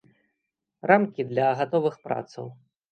Рамкі для гатовых працаў.